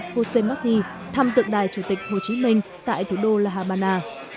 josé magui thăm tượng đài chủ tịch hồ chí minh tại thủ đô la habana